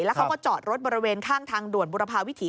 แล้วเขาก็จอดรถบริเวณข้างทางด่วนบุรพาวิถี